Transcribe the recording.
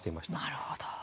なるほど。